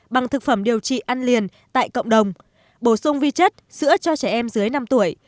bằng thực phẩm điều trị ăn liền tại cộng đồng bổ sung vi chất sữa cho trẻ em dưới năm tuổi